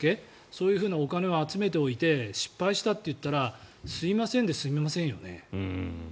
それだけ多くのお金を集めておいて失敗したと言ったらすいませんで済みませんよね。